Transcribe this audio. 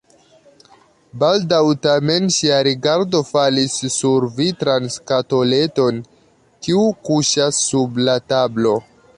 Baldaŭ tamen ŝia rigardo falis sur vitran skatoleton, kiu kuŝas sub la tablo.